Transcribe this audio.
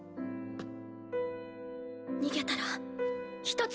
逃げたら１つ。